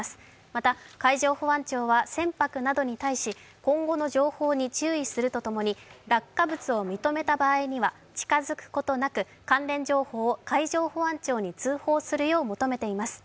また海上保安庁は船舶などに対し今後の情報に注意するとともに落下物を認めた場合には近づくことなく関連情報を海上保安庁に通報するよう求めています。